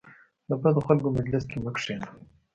د بدو خلکو مجلس کې مه کینه .